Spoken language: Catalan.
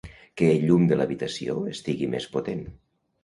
Que el llum de l'habitació estigui més potent.